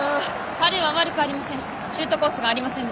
彼は悪くありません。